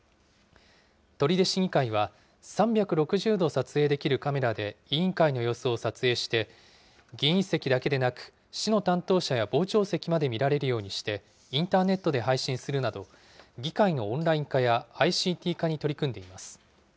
取手市議会は、３６０度撮影できるカメラで委員会の様子を撮影して、議員席だけでなく、市の担当者や傍聴席まで見られるようにして、インターネットで配信するなど、議会のオンライン化やＩＣＴ化に取り組んでいます。